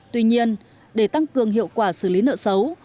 tuy nhiên để tăng cường hiệu quả xử lý nợ xấu